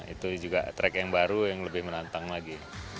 itu juga track yang baru yang lebih menantang lagi